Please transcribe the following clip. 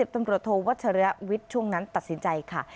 ตำรวจโทวัชริยวิทย์ช่วงนั้นตัดสินใจค่ะ